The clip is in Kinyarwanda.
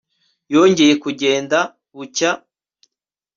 yongeye kugenda bucya